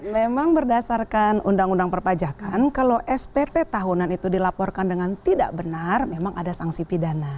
memang berdasarkan undang undang perpajakan kalau spt tahunan itu dilaporkan dengan tidak benar memang ada sanksi pidana